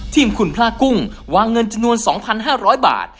ทีมคุณพลากุ้งวางเงินจำนวน๒๕๐๐บาท